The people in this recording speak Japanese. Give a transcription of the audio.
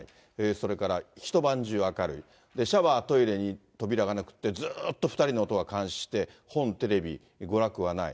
それから一晩中明るい、シャワー、トイレに扉がなくって、ずっと２人の男が監視して、本、テレビ、娯楽はない。